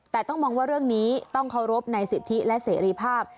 แต่ต้องมองว่าเรื่องนี้ต้องเคารพในสิทธิและเสรีภาพ